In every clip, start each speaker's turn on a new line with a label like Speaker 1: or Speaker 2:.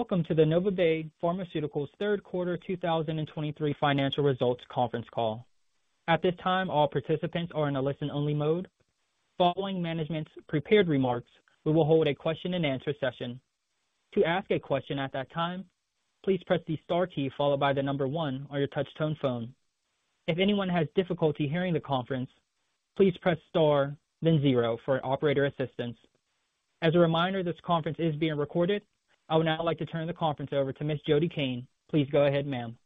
Speaker 1: Welcome to the NovaBay Pharmaceuticals' third quarter 2023 financial results conference call. At this time, all participants are in a listen-only mode. Following management's prepared remarks, we will hold a question and answer session. To ask a question at that time, please press the star key followed by the number one on your touchtone phone. If anyone has difficulty hearing the conference, please press Star, then zero for operator assistance. As a reminder, this conference is being recorded. I would now like to turn the conference over to Ms. Jody Cain. Please go ahead, ma'am.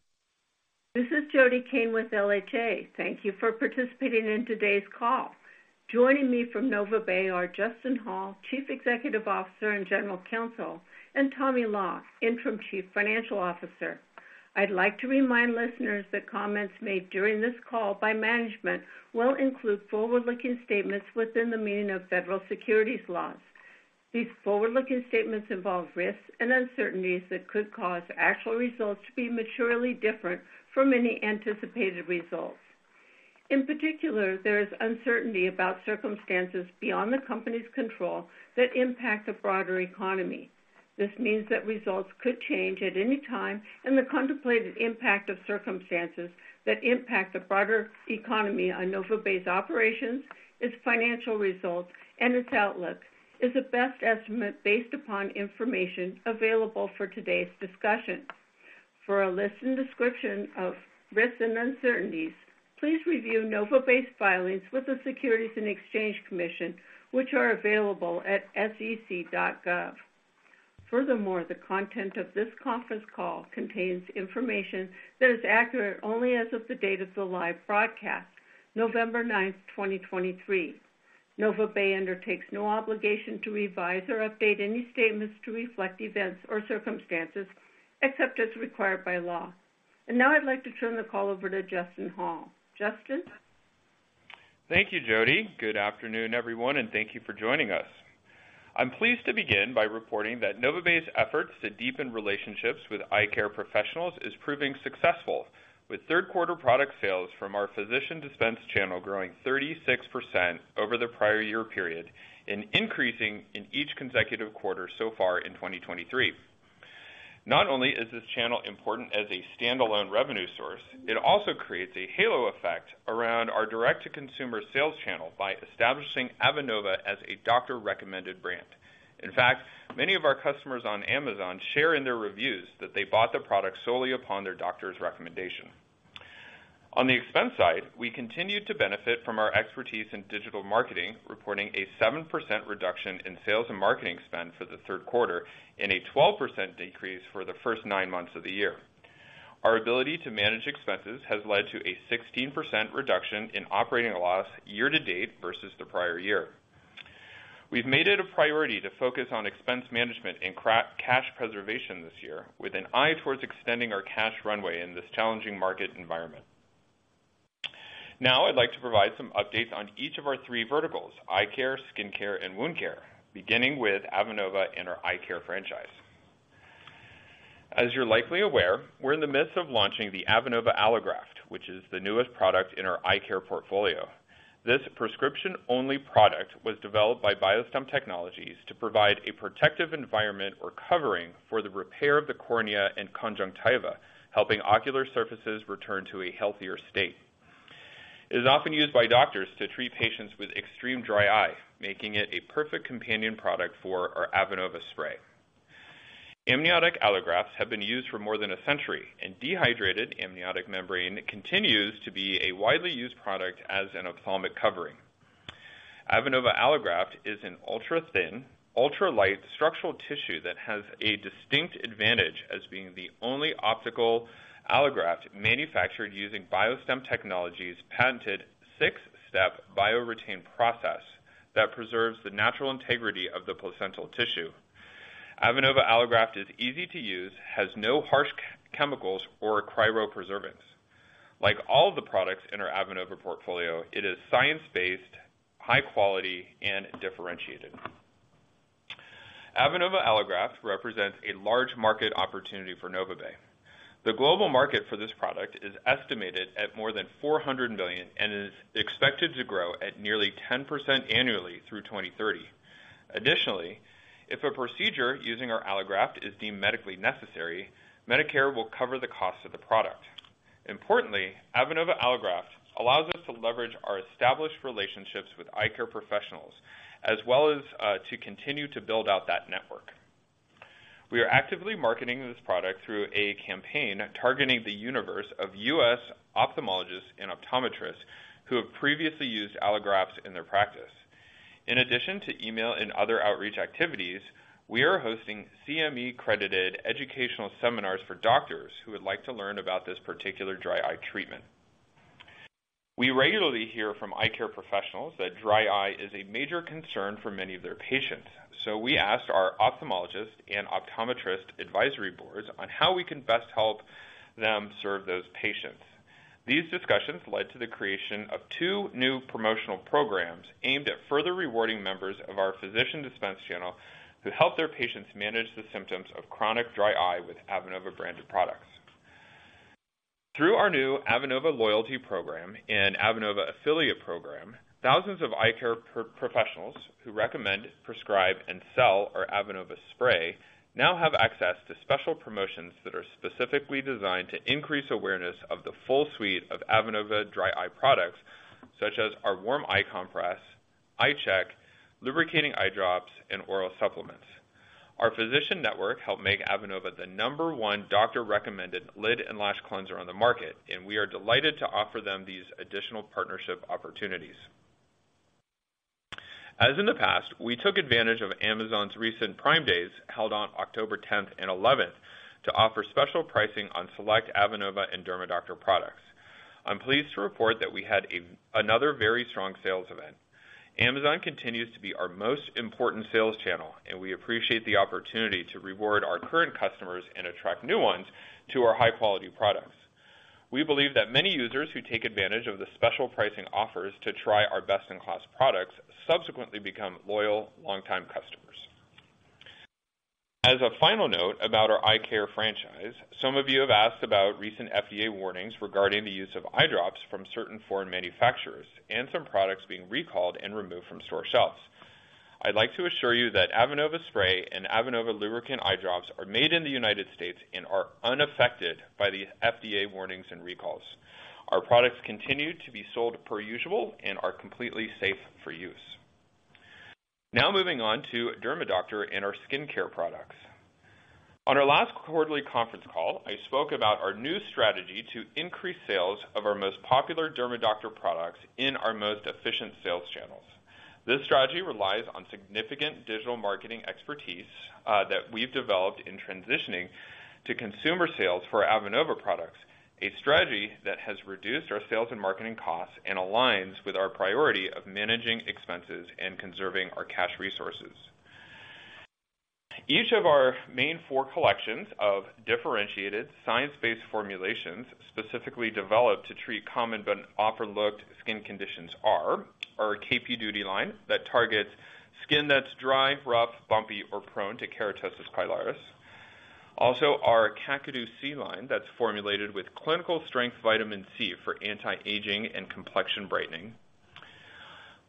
Speaker 2: This is Jody Cain with LHA. Thank you for participating in today's call. Joining me from NovaBay are Justin Hall, Chief Executive Officer and General Counsel, and Tommy Law, Interim Chief Financial Officer. I'd like to remind listeners that comments made during this call by management will include forward-looking statements within the meaning of federal securities laws. These forward-looking statements involve risks and uncertainties that could cause actual results to be materially different from any anticipated results. In particular, there is uncertainty about circumstances beyond the company's control that impact the broader economy. This means that results could change at any time, and the contemplated impact of circumstances that impact the broader economy on NovaBay's operations, its financial results, and its outlook is a best estimate based upon information available for today's discussion. For a list and description of risks and uncertainties, please review NovaBay's filings with the Securities and Exchange Commission, which are available at sec.gov. Furthermore, the content of this conference call contains information that is accurate only as of the date of the live broadcast, November 9, 2023. NovaBay undertakes no obligation to revise or update any statements to reflect events or circumstances, except as required by law. Now I'd like to turn the call over to Justin Hall. Justin?
Speaker 3: Thank you, Jody. Good afternoon, everyone, and thank you for joining us. I'm pleased to begin by reporting that NovaBay's efforts to deepen relationships with eye care professionals is proving successful, with third quarter product sales from our physician dispense channel growing 36% over the prior year period and increasing in each consecutive quarter so far in 2023. Not only is this channel important as a standalone revenue source, it also creates a halo effect around our direct-to-consumer sales channel by establishing Avenova as a doctor-recommended brand. In fact, many of our customers on Amazon share in their reviews that they bought the product solely upon their doctor's recommendation. On the expense side, we continued to benefit from our expertise in digital marketing, reporting a 7% reduction in sales and marketing spend for the third quarter and a 12% decrease for the first nine months of the year. Our ability to manage expenses has led to a 16% reduction in operating loss year to date versus the prior year. We've made it a priority to focus on expense management and cash preservation this year, with an eye towards extending our cash runway in this challenging market environment. Now I'd like to provide some updates on each of our three verticals: eye care, skin care, and wound care, beginning with Avenova and our eye care franchise. As you're likely aware, we're in the midst of launching the Avenova Allograft, which is the newest product in our eye care portfolio. This prescription-only product was developed by BioStem Technologies to provide a protective environment or covering for the repair of the cornea and conjunctiva, helping ocular surfaces return to a healthier state. It is often used by doctors to treat patients with extreme dry eye, making it a perfect companion product for our Avenova spray. Amniotic allografts have been used for more than a century, and dehydrated amniotic membrane continues to be a widely used product as an ophthalmic covering. Avenova Allograft is an ultra thin, ultra light structural tissue that has a distinct advantage as being the only optical allograft manufactured using BioStem Technologies' patented six-step BioREtain process that preserves the natural integrity of the placental tissue. Avenova Allograft is easy to use, has no harsh chemicals or cryopreservatives. Like all the products in our Avenova portfolio, it is science-based, high quality, and differentiated. Avenova Allograft represents a large market opportunity for NovaBay. The global market for this product is estimated at more than 400 million and is expected to grow at nearly 10% annually through 2030. Additionally, if a procedure using our allograft is deemed medically necessary, Medicare will cover the cost of the product. Importantly, Avenova Allograft allows us to leverage our established relationships with eye care professionals, as well as, to continue to build out that network. We are actively marketing this product through a campaign targeting the universe of U.S. ophthalmologists and optometrists who have previously used allografts in their practice. In addition to email and other outreach activities, we are hosting CME-credited educational seminars for doctors who would like to learn about this particular dry eye treatment. We regularly hear from eye care professionals that dry eye is a major concern for many of their patients, so we asked our ophthalmologist and optometrist advisory boards on how we can best help them serve those patients. These discussions led to the creation of two new promotional programs aimed at further rewarding members of our physician dispense channel who help their patients manage the symptoms of chronic dry eye with Avenova-branded products. Through our new Avenova Loyalty Program and Avenova Affiliate Program thousands of eye care professionals who recommend, prescribe, and sell our Avenova spray now have access to special promotions that are specifically designed to increase awareness of the full suite of Avenova dry eye products, such as our warm eye compress, i-Chek, lubricating eye drops, and oral supplements. Our physician network helped make Avenova the number one doctor-recommended lid and lash cleanser on the market, and we are delighted to offer them these additional partnership opportunities. As in the past, we took advantage of Amazon's recent Prime Days, held on October tenth and eleventh, to offer special pricing on select Avenova and DERMAdoctor products. I'm pleased to report that we had another very strong sales event. Amazon continues to be our most important sales channel, and we appreciate the opportunity to reward our current customers and attract new ones to our high-quality products. We believe that many users who take advantage of the special pricing offers to try our best-in-class products subsequently become loyal, long-time customers. As a final note about our eye care franchise, some of you have asked about recent FDA warnings regarding the use of eye drops from certain foreign manufacturers and some products being recalled and removed from store shelves. I'd like to assure you that Avenova spray and Avenova lubricant eye drops are made in the United States and are unaffected by the FDA warnings and recalls. Our products continue to be sold per usual and are completely safe for use. Now moving on to DERMAdoctor and our skincare products. On our last quarterly conference call, I spoke about our new strategy to increase sales of our most popular DERMAdoctor products in our most efficient sales channels. This strategy relies on significant digital marketing expertise that we've developed in transitioning to consumer sales for Avenova products, a strategy that has reduced our sales and marketing costs and aligns with our priority of managing expenses and conserving our cash resources. Each of our main four collections of differentiated, science-based formulations, specifically developed to treat common but overlooked skin conditions, are: our KP Duty line, that targets skin that's dry, rough, bumpy, or prone to keratosis pilaris. Also, our Kakadu C line, that's formulated with clinical strength vitamin C for anti-aging and complexion brightening.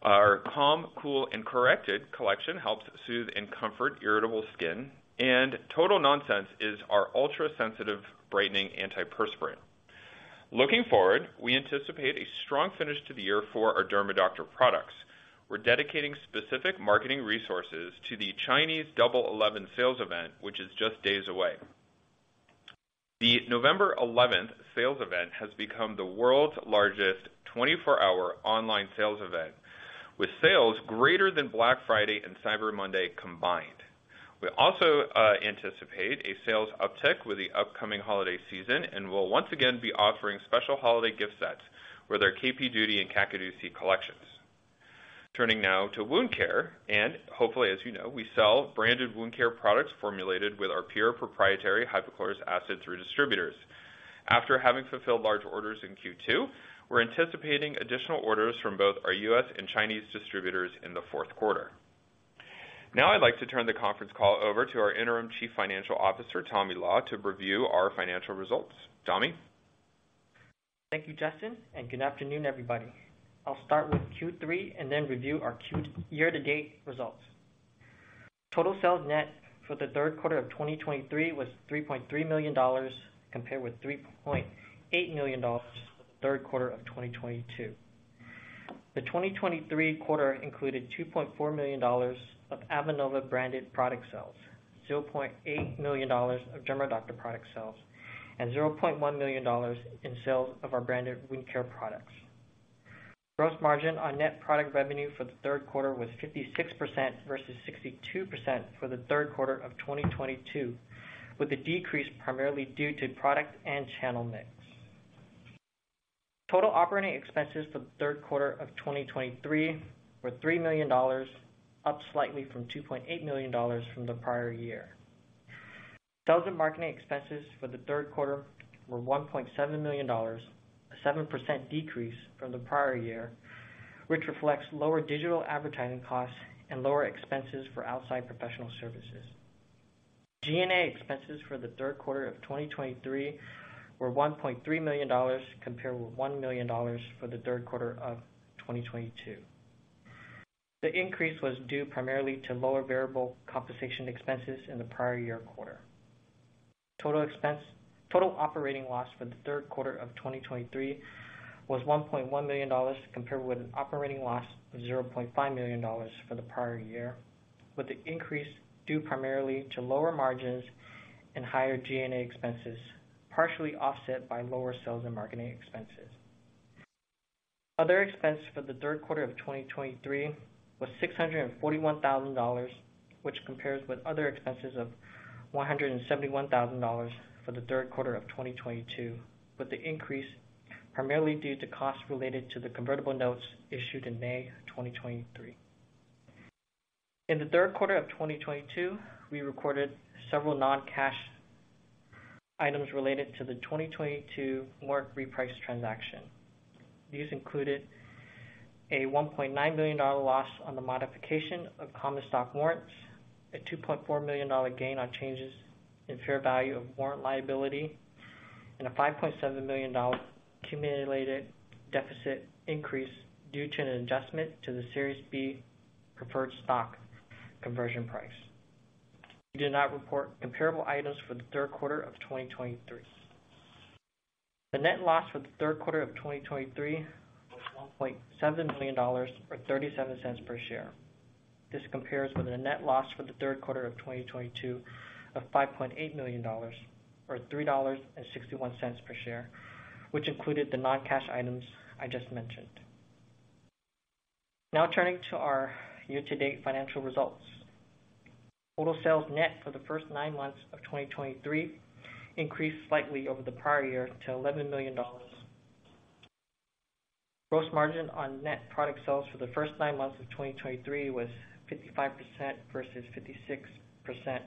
Speaker 3: Our Calm Cool & Corrected collection helps soothe and comfort irritable skin, and Total NonScents is our ultra-sensitive, brightening antiperspirant. Looking forward, we anticipate a strong finish to the year for our DERMAdoctor products. We're dedicating specific marketing resources to the Chinese Double Eleven sales event, which is just days away. The November 11 sales event has become the world's largest 24-hour online sales event, with sales greater than Black Friday and Cyber Monday combined. We also anticipate a sales uptick with the upcoming holiday season and will once again be offering special holiday gift sets for their KP Duty and Kakadu C collections. Turning now to wound care, and hopefully, as you know, we sell branded wound care products formulated with our pure proprietary hypochlorous acid through distributors. After having fulfilled large orders in Q2, we're anticipating additional orders from both our U.S. and Chinese distributors in the fourth quarter. Now I'd like to turn the conference call over to our Interim Chief Financial Officer, Tommy Law, to review our financial results. Tommy?
Speaker 4: Thank you, Justin, and good afternoon, everybody. I'll start with Q3 and then review our Q3 year-to-date results. Total net sales for the third quarter of 2023 was $3.3 million, compared with $3.8 million for the third quarter of 2022. The 2023 quarter included $2.4 million of Avenova-branded product sales, $0.8 million of DERMAdoctor product sales, and $0.1 million in sales of our branded wound care products. Gross margin on net product revenue for the third quarter was 56% versus 62% for the third quarter of 2022, with the decrease primarily due to product and channel mix. Total operating expenses for the third quarter of 2023 were $3 million, up slightly from $2.8 million from the prior year. Sales and marketing expenses for the third quarter were $1.7 million, a 7% decrease from the prior year, which reflects lower digital advertising costs and lower expenses for outside professional services. G&A expenses for the third quarter of 2023 were $1.3 million, compared with $1 million for the third quarter of 2022. The increase was due primarily to lower variable compensation expenses in the prior year quarter. Total operating loss for the third quarter of 2023 was $1.1 million, compared with an operating loss of $0.5 million for the prior year, with the increase due primarily to lower margins and higher G&A expenses, partially offset by lower sales and marketing expenses. Other expenses for the third quarter of 2023 was $641,000, which compares with other expenses of $171,000 for the third quarter of 2022, with the increase primarily due to costs related to the convertible notes issued in May 2023. In the third quarter of 2022, we recorded several non-cash items related to the 2022 warrant reprice transaction. These included a $1.9 million loss on the modification of common stock warrants, a $2.4 million gain on changes in fair value of warrant liability, and a $5.7 million accumulated deficit increase due to an adjustment to the Series B preferred stock conversion price. We did not report comparable items for the third quarter of 2023. The net loss for the third quarter of 2023 was $1.7 million, or 0.37 per share. This compares with a net loss for the third quarter of 2022 of $5.8 million, or $3.61 per share, which included the non-cash items I just mentioned. Now turning to our year-to-date financial results. Total sales net for the first nine months of 2023 increased slightly over the prior year to $11 million. Gross margin on net product sales for the first nine months of 2023 was 55% versus 56%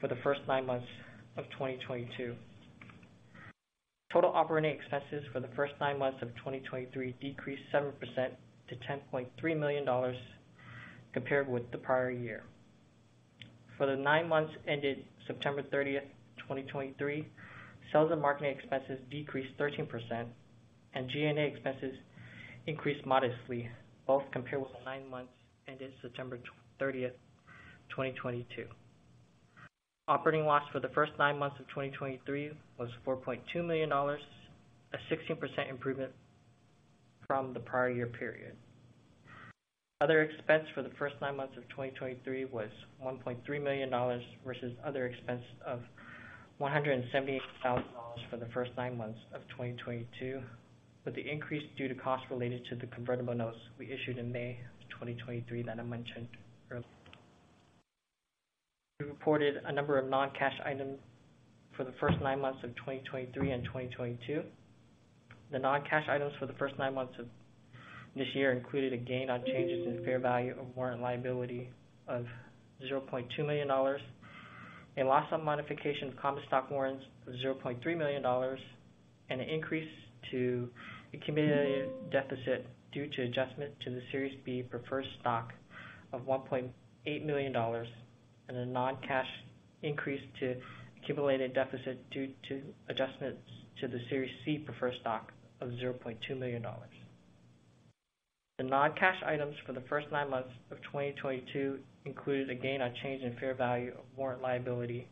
Speaker 4: for the first nine months of 2022. Total operating expenses for the first nine months of 2023 decreased 7% to $10.3 million compared with the prior year. For the nine months ended September 30, 2023, sales and marketing expenses decreased 13% and G&A expenses increased modestly, both compared with the nine months ended September 30, 2022. Operating loss for the first nine months of 2023 was $4.2 million, a 16% improvement from the prior year period. Other expense for the first nine months of 2023 was $1.3 million versus other expense of $178,000 for the first nine months of 2022, with the increase due to costs related to the convertible notes we issued in May 2023 that I mentioned earlier. We reported a number of non-cash items for the first nine months of 2023 and 2022. The non-cash items for the first nine months of this year included a gain on changes in fair value of warrant liability of $0.2 million, a loss on modification of common stock warrants of $0.3 million, and an increase to the accumulated deficit due to adjustment to the Series B preferred stock of $1.8 million, and a non-cash increase to accumulated deficit due to adjustments to the Series C preferred stock of $0.2 million. The non-cash items for the first nine months of 2022 included a gain on change in fair value of warrant liability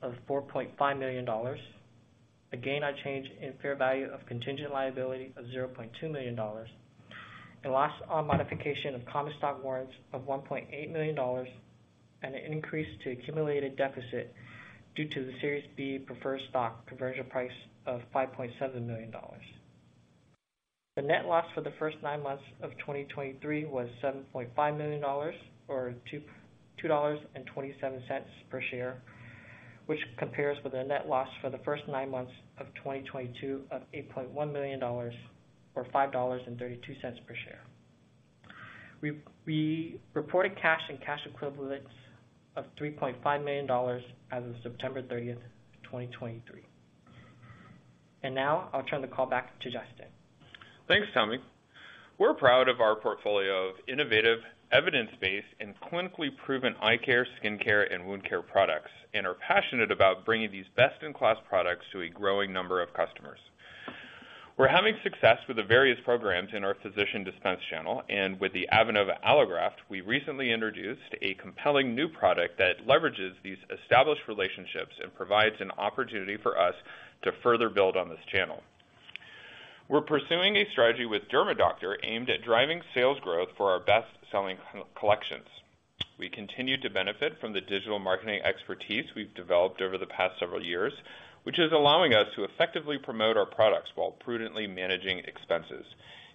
Speaker 4: of $4.5 million, a gain on change in fair value of contingent liability of $0.2 million, a loss on modification of common stock warrants of $1.8 million, and an increase to accumulated deficit due to the Series B preferred stock conversion price of $5.7 million. The net loss for the first nine months of 2023 was $7.5 million or $2.27 per share, which compares with a net loss for the first nine months of 2022 of $8.1 million or $5.32 per share. We reported cash and cash equivalents of $3.5 million as of September 30th, 2023. Now I'll turn the call back to Justin.
Speaker 3: Thanks, Tommy. We're proud of our portfolio of innovative, evidence-based, and clinically proven eye care, skin care, and wound care products, and are passionate about bringing these best-in-class products to a growing number of customers. We're having success with the various programs in our physician dispense channel, and with the Avenova Allograft, we recently introduced a compelling new product that leverages these established relationships and provides an opportunity for us to further build on this channel. We're pursuing a strategy with DERMAdoctor aimed at driving sales growth for our best-selling collections. We continue to benefit from the digital marketing expertise we've developed over the past several years, which is allowing us to effectively promote our products while prudently managing expenses.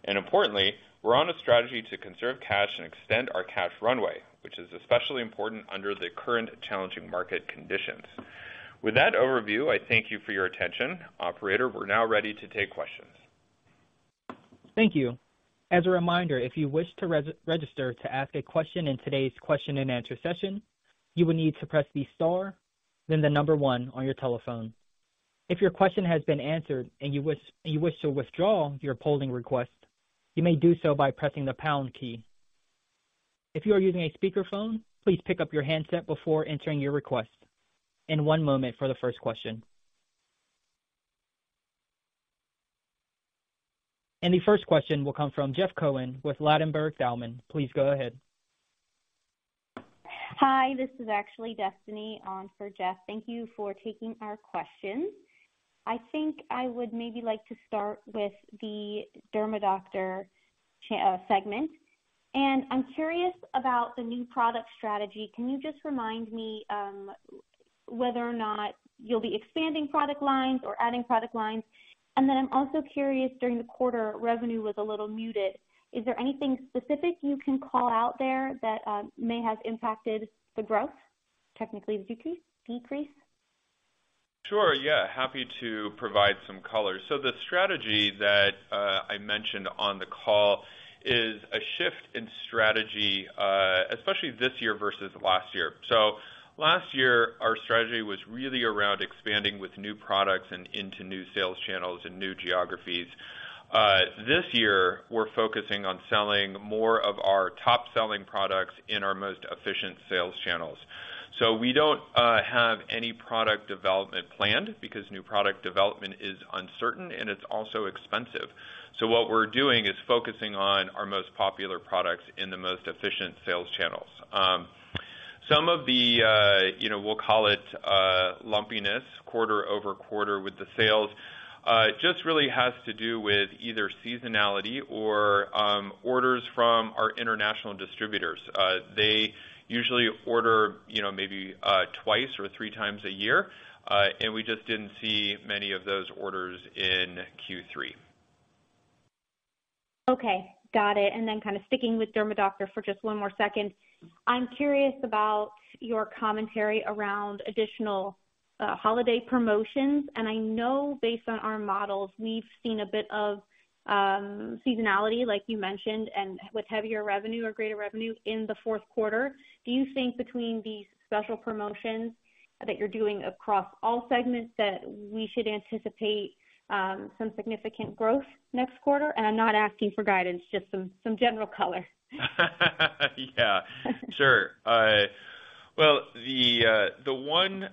Speaker 3: Importantly, we're on a strategy to conserve cash and extend our cash runway, which is especially important under the current challenging market conditions. With that overview, I thank you for your attention. Operator, we're now ready to take questions.
Speaker 1: Thank you. As a reminder, if you wish to register to ask a question in today's question and answer session, you will need to press the star, then the number one on your telephone. If your question has been answered and you wish to withdraw your polling request, you may do so by pressing the pound key. If you are using a speakerphone, please pick up your handset before entering your request. One moment for the first question. The first question will come from Jeff Cohen with Ladenburg Thalmann. Please go ahead.
Speaker 5: Hi, this is actually Destiny, for Jeff. Thank you for taking our questions. I think I would maybe like to start with the DERMAdoctor segment. And I'm curious about the new product strategy. Can you just remind me, whether or not you'll be expanding product lines or adding product lines? And then I'm also curious, during the quarter, revenue was a little muted. Is there anything specific you can call out there that may have impacted the growth, technically the decrease, decrease?
Speaker 3: Sure. Yeah, happy to provide some color. So the strategy that I mentioned on the call is a shift in strategy, especially this year versus last year. Last year, our strategy was really around expanding with new products and into new sales channels and new geographies. This year, we're focusing on selling more of our top-selling products in our most efficient sales channels. So we don't have any product development planned because new product development is uncertain and it's also expensive. So what we're doing is focusing on our most popular products in the most efficient sales channels. Some of the, you know, we'll call it, lumpiness, quarter-over-quarter with the sales, just really has to do with either seasonality or orders from our international distributors. They usually order, you know, maybe, twice or three times a year. We just didn't see many of those orders in Q3.
Speaker 6: Okay, got it. And then kind of sticking with DERMAdoctor for just one more second. I'm curious about your commentary around additional holiday promotions. And I know based on our models, we've seen a bit of seasonality, like you mentioned, and with heavier revenue or greater revenue in the fourth quarter. Do you think between these special promotions that you're doing across all segments, that we should anticipate some significant growth next quarter? And I'm not asking for guidance, just some general color.
Speaker 3: Yeah, sure. Well, the one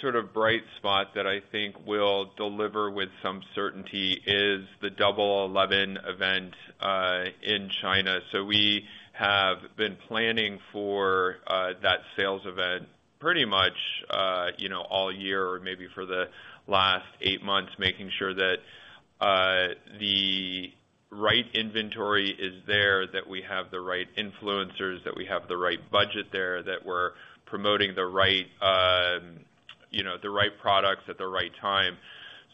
Speaker 3: sort of bright spot that I think will deliver with some certainty is the Double Eleven event in China. So we have been planning for that sales event pretty much, you know, all year or maybe for the last eight months, making sure that the right inventory is there, that we have the right influencers, that we have the right budget there, that we're promoting the right, you know, the right products at the right time.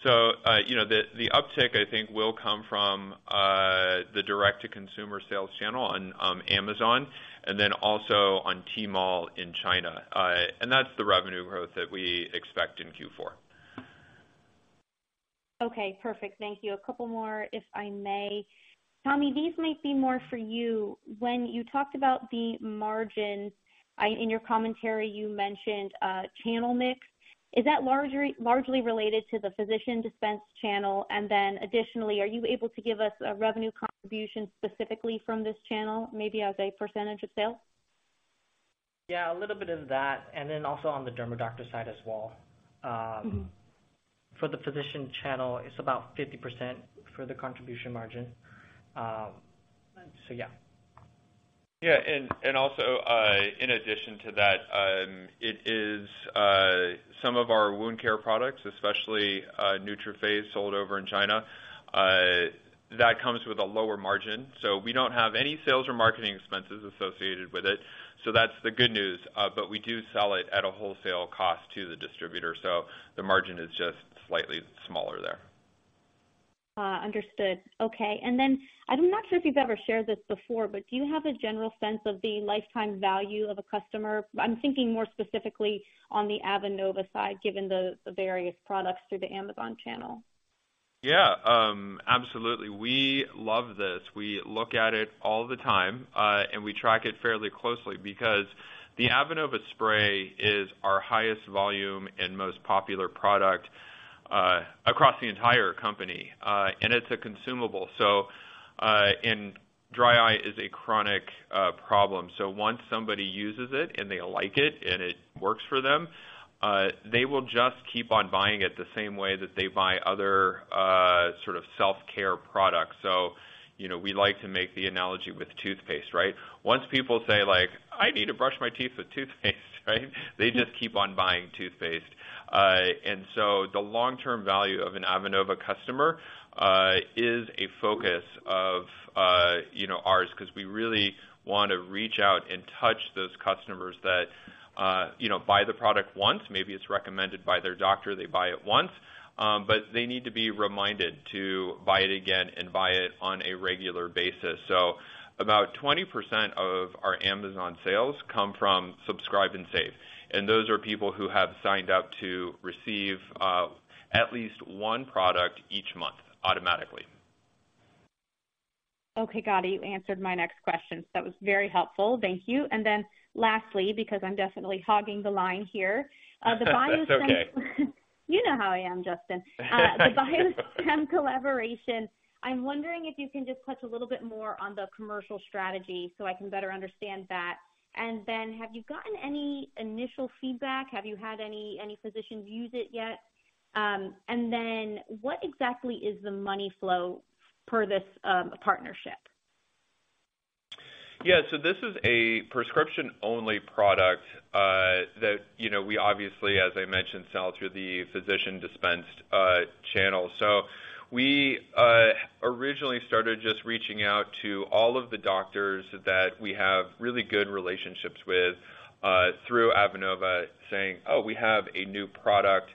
Speaker 3: So, you know, the uptick, I think, will come from the direct-to-consumer sales channel on Amazon and then also on Tmall in China. And that's the revenue growth that we expect in Q4.
Speaker 6: Okay, perfect. Thank you. A couple more, if I may. Tommy, these might be more for you. When you talked about the margin, in your commentary, you mentioned channel mix. Is that largely related to the Physician dispense channel? And then additionally, are you able to give us a revenue contribution specifically from this channel, maybe as a percentage of sales?
Speaker 4: Yeah, a little bit of that, and then also on the DERMAdoctor side as well.
Speaker 6: Mm-hmm.
Speaker 4: For the physician channel, it's about 50% for the contribution margin. So yeah.
Speaker 3: Yeah, and also, in addition to that, it is some of our wound care products, especially NeutroPhase, sold over in China, that comes with a lower margin. So we don't have any sales or marketing expenses associated with it, so that's the good news. But we do sell it at a wholesale cost to the distributor, so the margin is just slightly smaller there.
Speaker 6: Understood. Okay, and then I'm not sure if you've ever shared this before, but do you have a general sense of the lifetime value of a customer? I'm thinking more specifically on the Avenova side, given the various products through the Amazon channel.
Speaker 3: Yeah, absolutely. We love this. We look at it all the time, and we track it fairly closely because the Avenova spray is our highest volume and most popular product, across the entire company. And it's a consumable, so, and dry eye is a chronic problem. So once somebody uses it and they like it and it works for them, they will just keep on buying it the same way that they buy other, sort of self-care products. So you know, we like to make the analogy with toothpaste, right? Once people say, like, "I need to brush my teeth with toothpaste," right? They just keep on buying toothpaste. And so the long-term value of an Avenova customer is a focus of, you know, ours, 'cause we really want to reach out and touch those customers that, you know, buy the product once. Maybe it's recommended by their doctor, they buy it once, but they need to be reminded to buy it again and buy it on a regular basis. So about 20% of our Amazon sales come from Subscribe and Save, and those are people who have signed up to receive at least one product each month, automatically.
Speaker 6: Okay, got it. You answered my next question. So that was very helpful. Thank you. And then lastly, because I'm definitely hogging the line here, the BioStem-
Speaker 3: That's okay.
Speaker 6: You know how I am, Justin.(IVR) The BioStem collaboration. I'm wondering if you can just touch a little bit more on the commercial strategy so I can better understand that. And then, have you gotten any initial feedback? Have you had any physicians use it yet? And then what exactly is the money flow for this partnership?
Speaker 3: Yeah, so this is a prescription-only product, that, you know, we obviously, as I mentioned, sell through the physician dispense channel. So we originally started just reaching out to all of the doctors that we have really good relationships with, through Avenova, saying, "Oh, we have a new product."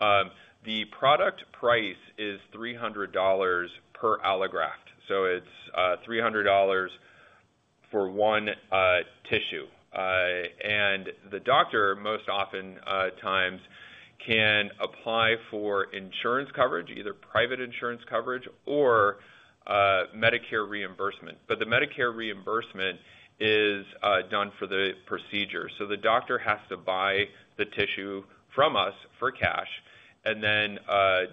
Speaker 3: The product price is $300 per allograft, so it's $300 for one tissue. And the doctor, most often, times can apply for insurance coverage, either private insurance coverage or Medicare reimbursement. But the Medicare reimbursement is done for the procedure. So the doctor has to buy the tissue from us for cash and then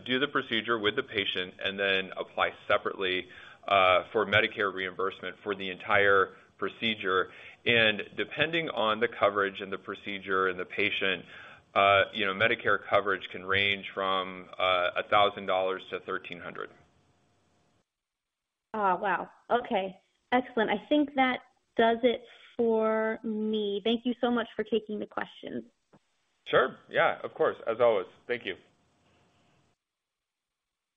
Speaker 3: do the procedure with the patient and then apply separately for Medicare reimbursement for the entire procedure. Depending on the coverage and the procedure and the patient, you know, Medicare coverage can range from $1,000-$1,300.
Speaker 6: Oh, wow! Okay, excellent. I think that does it for me. Thank you so much for taking the questions.
Speaker 3: Sure. Yeah, of course, as always. Thank you.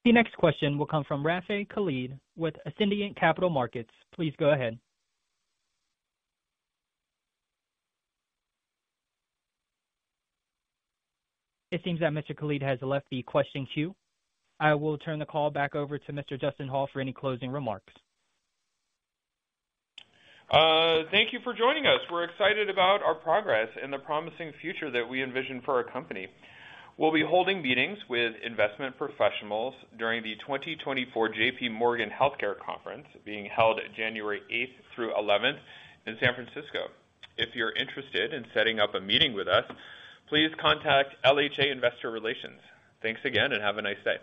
Speaker 1: The next question will come from Rafay Khalid with Ascendiant Capital Markets. Please go ahead. It seems that Mr. Khalid has left the question queue. I will turn the call back over to Mr. Justin Hall for any closing remarks.
Speaker 3: Thank you for joining us. We're excited about our progress and the promising future that we envision for our company. We'll be holding meetings with investment professionals during the 2024 J.P. Morgan Healthcare Conference, being held January 8th through 11th in San Francisco. If you're interested in setting up a meeting with us, please contact LHA Investor Relations. Thanks again, and have a nice day.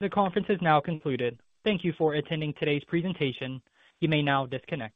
Speaker 1: The conference is now concluded. Thank you for attending today's presentation. You may now disconnect.